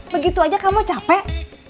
begitu aja kamu capek